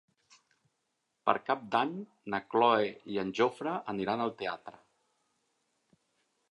Per Cap d'Any na Cloè i en Jofre aniran al teatre.